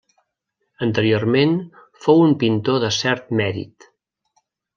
Anteriorment fou un pintor de cert mèrit.